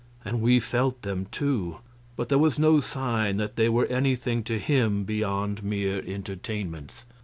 And we felt them, too, but there was no sign that they were anything to him beyond mere entertainments.